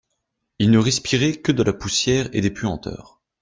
Il ne respirait que de la poussière et des puanteurs.